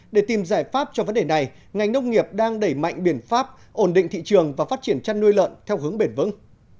để tìm giải pháp cho vấn đề này ngành nông nghiệp đang đẩy mạnh biện pháp ổn định thị trường và phát triển chăn nuôi lợn theo hướng bền vững